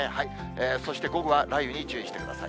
そして、午後は雷雨に注意してください。